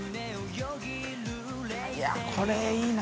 いやこれいいな。